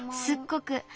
すっごく。